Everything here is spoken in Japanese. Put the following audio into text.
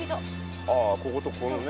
ああこことここのね。